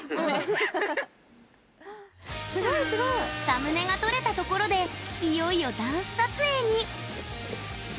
サムネが撮れたところでいよいよダンス撮影に。